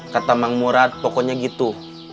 kata mang murad pokoknya gitu